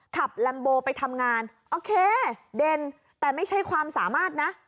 ลัมโบไปทำงานโอเคเด่นแต่ไม่ใช่ความสามารถนะ